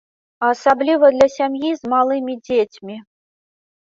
Асабліва для сям'і з малымі дзецьмі.